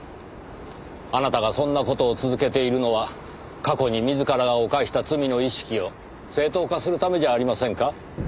あなたがそんな事を続けているのは過去に自らが犯した罪の意識を正当化するためじゃありませんか？